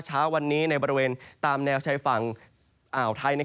เช้าวันนี้ในบริเวณตามแนวชายฝั่งอ่าวไทย